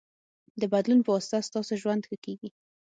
د بدلون پواسطه ستاسو ژوند ښه کېږي.